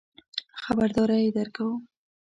خبرداری درکوو.